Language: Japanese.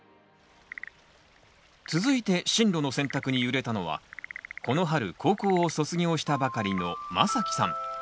続いて進路の選択に揺れたのはこの春高校を卒業したばかりのまさきさん。